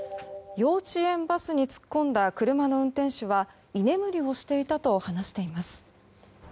幼稚園バスに突っ込んだ車の運転手は居眠りをしていたと話しています。